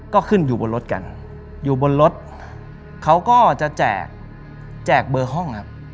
ก็ขึ้นอยู่บนรถกันอยู่บนรถเขาก็จะแจกแจกเบอร์ห้องครับ